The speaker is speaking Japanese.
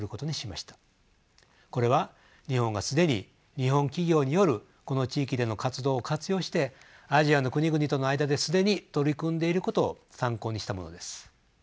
これは日本が既に日本企業によるこの地域での活動を活用してアジアの国々との間で既に取り組んでいることを参考にしたものです。